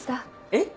えっ？